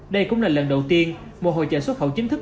đây cũng là lần đầu tiên một hội trợ xuất khẩu chính thức